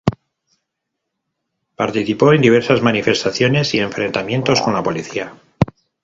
Participó en diversas manifestaciones y enfrentamientos con la policía.